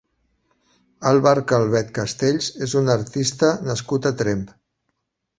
Àlvar Calvet Castells és un artista nascut a Tremp.